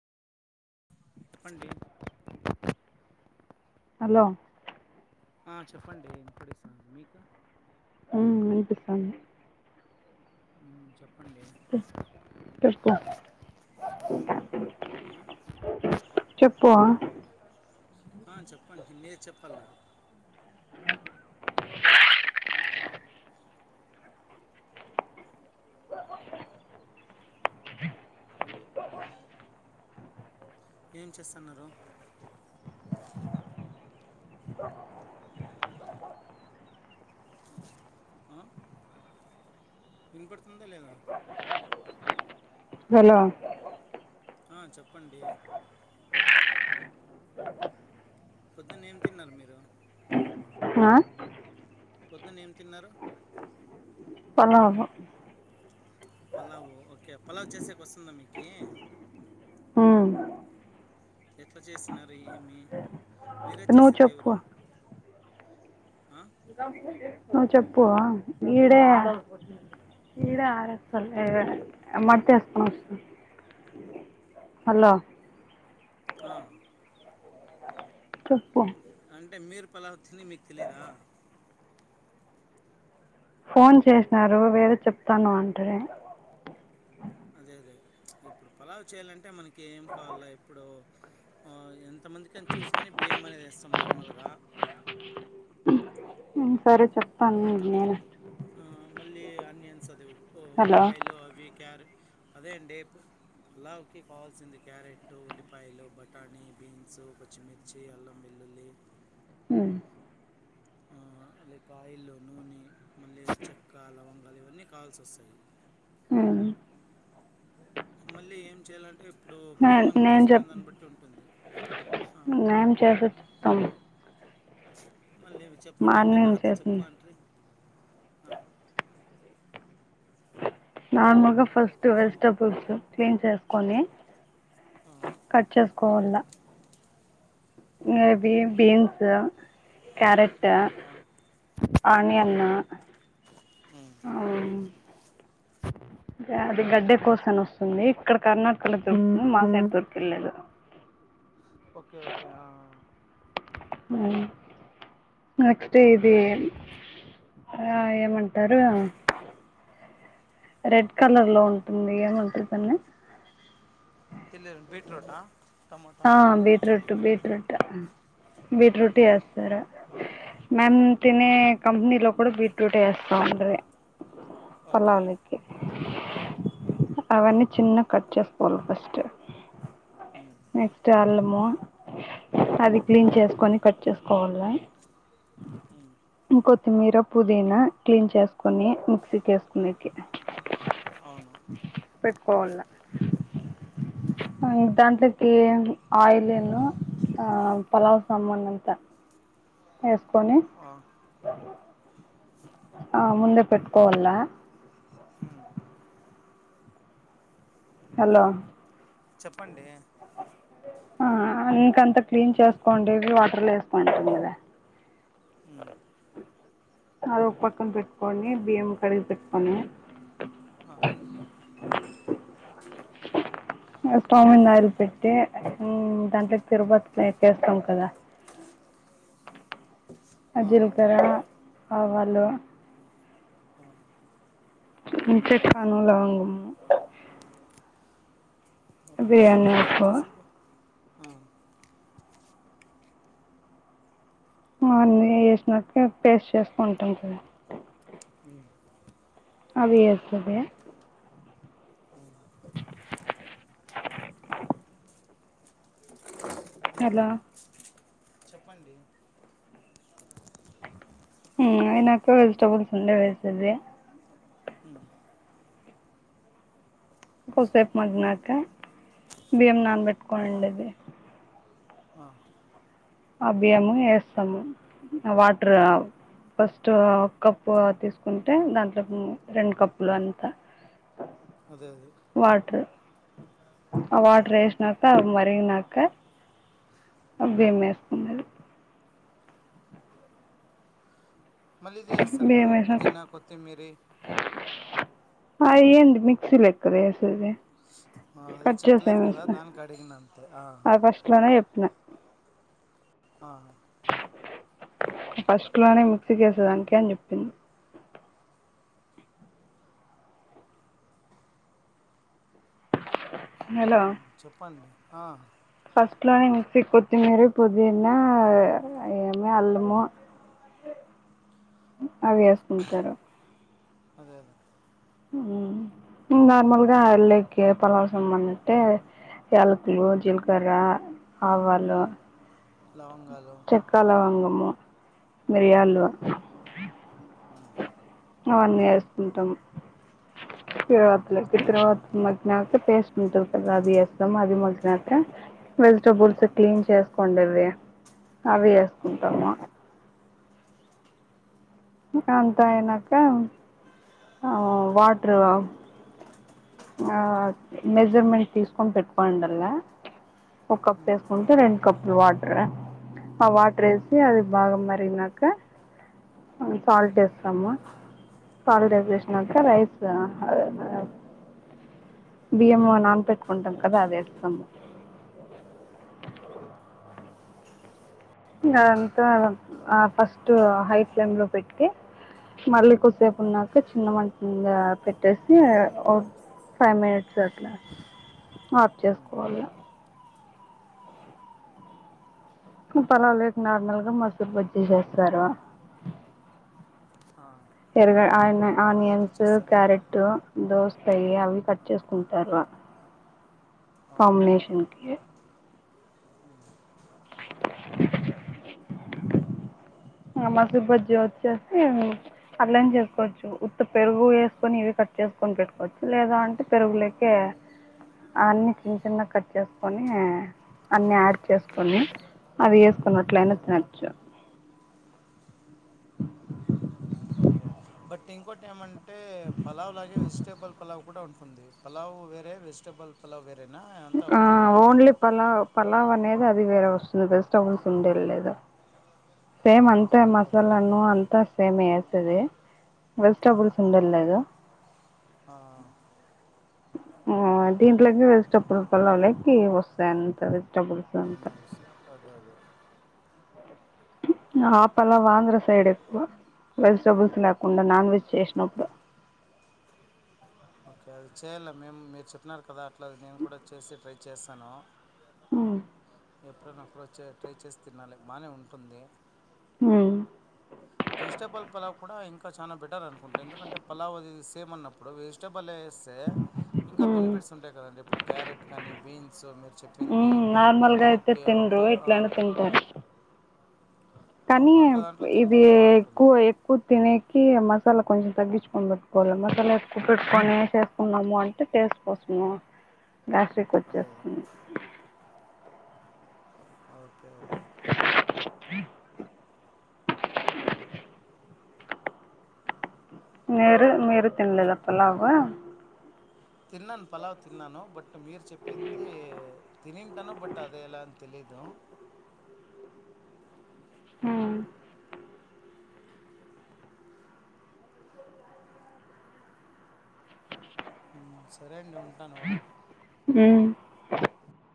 చెప్పండి హలో ఆ చేపండి వినపడుతుంది మీకు ఉమ్ వినిపిస్తాంది చెప్పండి ఆ? చేపవ ఆ చెప్పండి మీరు చెప్పాల ఏం చేస్తున్నారు ఆ వినపడుతుందా లేదా హలో ఆ చెప్పండి పొద్దున్న ఏం తిన్నారు మీరు ఆ పొద్దున్న ఏం తిన్నారు పలావు పలావు ఓకే పలావ్ చేసేకి వస్తుందా మీకి ఉమ్ ఎట్లా చేసినారు ఏమి మీరే నువ్వు చేసింది చెప్పు ఎవరు ఆ నువ్వు చెప్పు ఈడే ఈడే [unintelligible] హలో ఆ చెప్పు అంటే మీరు పలావ్ తిని మీకు తెలీయదా ఫోన్ చేసినారు వేరే చెప్తాను అంటే అదే అదే ప్చ్ ఇప్పుడు పలావు చేయాలంటే మనకి ఏం కావాల ఇప్పుడు ఆ ఎంతమందికని చూసుకొని బియ్యం అనేది వేస్సాం నార్మల్గా. ఉమ్ సరే చెతాను నేను ఆ, మళ్ళీ అన్ని అన్సదు ఓ హలో ఉల్లిపాయల్లో అవి క్యారె అదే అండి పులావుకి కావాల్సింది క్యారెట్, ఉల్లిపాయలు, బఠానీ, బీన్సు, పచ్చిమిర్చి, అల్లం వెల్లుల్లి, ఉమ్ లేక ఆయిల్లో నూనె మళ్ళీ చెక్క లవంగాలు ఇవన్నీ కావాల్సి వస్తాయి మ్ మళ్ళీ ఏం చెయ్యాలంటే ఇప్పుడు నే భీమ్ మనం నేను తీసుకుొనే దాన్ని బట్టి ఉంటుంది ఆ, మేం చేసిద్దాము ఆహా లేదు చెప్పండి అంటే నాతో చెప్పు చేసింది అంటిరి ఆ నార్మల్గా ఫస్ట్ వెజిటబుల్స్ క్లీన్ చేసుకొని కట్ చేసుకోవాల అవును కేేబీ బీన్స్ క్యారెట్ ట్ట ఆ, ఆ. ఆనీ అన్న ఉమ్. మ్ అది గడ్డె కోసం వస్తుంది ఇక్కడ కర్ణటక కలిసి స్థూ మాసా తూర్కు లేదు ఓకే ఓకే ఆ ఆ మ్ నెక్స్ట్ ఇది ఆ ఏమంటారు రెడ్ కలర్ లో ఉంటుంది ఏమంట్రూ దాన్ని తెలేదు బిట్రూట్ ఆ ఆ బీట్రూట్ బీట్ ఇప్పుడు ఎట్లా బీట్రూట్ ఆ. వేస్తారా మన్ తినే కంపెనీలో కూడా బీట్రూట్ వేస్తాండ్రీ ఓకే పలావునికి ఆ, అవన్నీ చిన్న కట్ చేసుకోవాలి ఫస్ట్ ఉమ్, నెక్స్ట్ అల్లము అది క్లీన్ చేసుకొని కట్ చేస్త్ సవర్ల హ్మ్ కొత్తిమీర పుదీనా క్లీన్ చేసుకొని మిక్సీకి వేసుకునేకి అవును పెట్కోవాల ఆ దాంట్లోక్ ఈ ఆయిలీను పలావ్ సామాన్ అంత ఎ కొనీ ఆ, ఆ ముందే పెట్టుకోవల్ల ఉ హలో చెప్పండి ఆ ఇంకంత క్లీన్ చేసుకోండి [unintelligible] వాటర్లో ఏసుకుంటుంది కదా ఉమ్, అ అది ఒక పక్కన పెట్టుకోని బియ్యం కడిగి పెట్టుకని హ స్టవ్ మింద ఆయిల్ పెట్టి ఉమ్ దాంట్లోకి తిరగవాతకి యేసెస్తాం కదా అ ఆ, జిల్కరా ఆవాళ్ళు ఆ చెక్కను లవంగము ఓకే మళ్ళీ బిర్యానీ మీరు దమ్ ఆకు చేసే అన్నీ వేసినట్టుగా పేస్ట్ చేసుకుంటాం కదా ఉ అవి యేసెది ఉమ్, హలో చెప్పండి ఉమ్ అయినాక వెజిటబుల్స్ ఉండేవి వేసేది ఉ కొద్దీ సేపు మగ్గి నాకా భియం ఆ, నానబెట్టుకో నిండేది ఆ ఆ బియ్యము ఏస్తాము వాటర్ ఉమ్, ఫస్ట్ స్ట్ ఒక కప్పు తీసుకుంటే దాంట్లో రెండు కప్పులు అంత అదే అదే అ ఆ వాటర్ ఏసినాక అవి నాక ఆ ఉమ్. బియ్యం యేసుకొనేది మళ్ళీ ఇది చేస్తారు బియ్యం కదా వేసాం పుదీనా కొత్తిమీర ఆ ఏంది మిక్సీలేకీ కదా యేసెది ఆ అది చెప్పలేదు కదా దాని అడిగిన అంతే ఆ అది ఫస్ట్ లోనే చెప్పిన ఆ ఫస్ట్ లోనే మిక్సీ చేసేదానికి అని చెప్పింది హలో హ్మ్ చెప్పండి ఆహ్ ఫస్ట్ లోని మిక్స్క్ కొత్తిమీర పుదీనా ఏమి అల్లము అవి వేసుకుంటారు. అదే అదే మ్మ్ మ్ నార్మల్గా ఆల్లేకి పలావసంబంధింటే యాలకులు, జీలకర్ర, ఆవాలు, లవంగాలు మో అవును మిరియాల్లు ఉమ్, అన్నీ వేస్ కుంటాం తరువాతిలకి అదే అదే తిరువాతి మగ్గినాక టేస్ట్ దీంతో క రబీ వేస్ అది మధి మొల్సినట్టే వెజిటేబుల్స్ అవును క్లీన్ చేసుకోండేది అవి ఆ, వేసుకుంటాము అంతా అయినాక ఆ వాటరు మెజర్మెంట్ తీసుకొని పెట్టుకోండల్లా ఒక కప్ వేసుకుంటే రెండు కప్పులు వాటర్ ఆ వాటర్ వేసి అది బాగ మరి అయినాక కాల్ చేస్తాము కాాల్ ఆ, రెజర్వేషన్ సార్ రైస్ దా అదే అనేవ్ బియ్యం నాన పెెట్టుకుంటాం కదా అదేస్తాము. ఇంగా అదంతా ఆ ఫస్ట్ హై ఫ్లేమ్లో పెట్టి మళ్ళీ కొసేపు ఉన్నాక చిన్న మంటంద పెట్టేసి ఓ ఫైవ్ మినిట్స్ అట్లా ఆఫ్ చేసుకోవాల. మ్మ్ పలావు లోకి నార్మల్గా మసూరు బజ్జీ చేస్తారు ఆ. ఆమె అదే అట్లా అమెంటే చేస్తానా కరెక్ట్ దోస సరే అవి కట్ చేసుకుంటారు అవును కాంబినేషన్ కి మసి బజ్జి వచ్చేసి అల్లని చేసుకోవచ్చు ఉత్త పెరుగు వేసుకొని ఇవి కట్ చేసుకొని పెట్టుకోవచ్చు లేదా అంటే పెరుగులక అన్ని చిన్న చిన్న కట్ చేసుకొని అన్ని యాడ్ చేసుకొని అవి వేసుక నువ్వు అట్లా అదే అనకు అదే నచ్చవు ఓకే బట్ ఇంకోటి ఏమంట అంటే పలా్ లాగే వెజటేబుల్ పలావ్ కూడా ఉంటుంది ఉంది పలావ్ వేరే వెజిటబల్ పలావ్ వేరే ఆ ఓన్లీ పలావ్ పలావ్ అనేది అది వేరే వస్తుంది వెజిటేబుల్స్ ఉండేది లేదా సేమ్ అంత మే ఓకే మసాలాను అంతా సేమే తదే ఆ, వెజిటబుల్స్ ఉండేది లేద ఆ, ఆ దీంట్లోకి వెజిటబుల్ పలావ్ లకి వస్తాయి అంత వెజిటేబుల్స్ అంత అన్నీ సే- అదే అదే ఆ పలావ్ ఆంధ్ర సైడ్ ఎక్కువ వెజిటబుల్స్ లేకుండా నాన్ వెజ్ చేసినప్పుడు ఓకే అది చేయాలి మేము మీరు చెప్పినారు కదా అట్లా నేను కూడా చేసి ట్రై చేస్తాను ఉ ఎప్పుడనన్న అప్పుడు వచ్చి ట్రై చేసి తినాలి బాగానే ఉంటుంది ఉ వెజిటబుల్ పలావ్ కూడా ఇంకా చానా పెట్ టారు అనుకుంట ఎందుకంటే పలావ్ అది ఏమన్నప్పుడు వెజిటబుల్ స్తే ఇంకా మ్మ్ బెనిఫిట్స్ ఉంటాయి కదండి ఇప్పుడు క్యారెట్ కానీ బీన్ సో మీరు చెప్పింది మ్మ్ నార్మల్గా అయితే ఇంకొకటి తినరు అంతా ఆ ఇట్లనే తింటారు కానీ అవును అట్లా దాంట్లో ఇది తింటే బాగుంటుంది ఎక్కువ ఎక్కువ్ తిని మసాలా కొంచెం తగ్గించుకొని పెట్టుకోవాలి మసాలా ఎక్కువ పెట్టుకొని చేేసుకున్నాము అంటే టేస్ట్ కోసము. గ్యాస్ట్రిక్ అదే అదే వచ్చేస్తుంది ఓకే ఓకే [inaudible] నేను మీరు చూ తినలేదా పలావ్ తిన్నాను పలావ్ తిన్నాను బట్ మీరు చెప్పింది తిని ఉంటాను బట్ అది ఎలా తెలీదా. ఉ సరే అండి ఉ ఉ